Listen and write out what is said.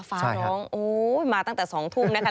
ฟ้าร้องโอ้ยมาตั้งแต่๒ทุ่มนะคะ